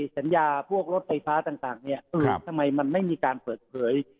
สัญญาพวกรถไฟฟ้าต่างทำไมมันไม่มีการเปิดเผย